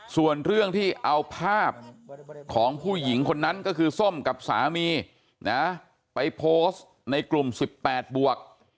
ส่วนเรื่องที่เอาภาพของผู้หญิงคนนั้นก็คือส้มกับสามีนะไปโพสต์ในกลุ่ม๑๘บวก